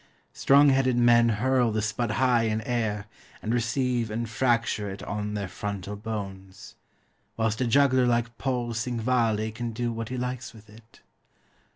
Strong headed men hurl the spud high in air, and receive and fracture it on their frontal bones; whilst a juggler like Paul Cinquevalli can do what he likes with it.